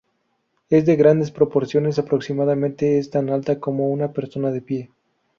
Es de grandes proporciones, aproximadamente es tan alta como una persona de pie.